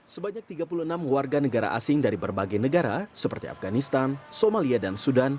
sebanyak tiga puluh enam warga negara asing dari berbagai negara seperti afganistan somalia dan sudan